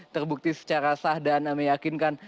terbukti secara sah dan meyakinkan